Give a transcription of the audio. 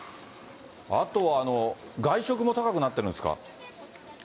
あとは外食も高くなってるんですか？